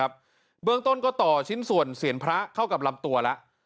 เบื้องต้นก็ต่อชิ้นส่วนเสียนพระเข้ากับลำตัวแล้ว